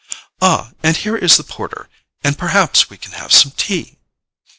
"Ah—and here is the porter, and perhaps we can have some tea."